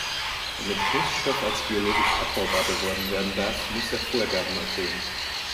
Damit Kunststoff als biologisch abbaubar beworben werden darf, muss er Vorgaben erfüllen.